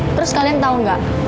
terus kalian tau gak